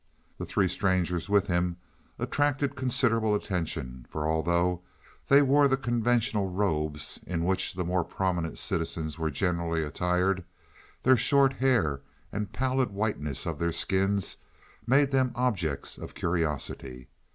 The three strangers with him attracted considerable attention, for, although they wore the conventional robes in which the more prominent citizens were generally attired, their short hair and the pallid whiteness of their skins made them objects of curiosity.